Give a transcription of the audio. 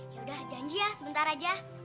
yaudah janji ya sebentar aja